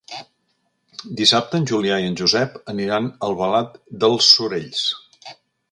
Dissabte en Julià i en Josep aniran a Albalat dels Sorells.